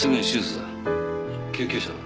救急車は？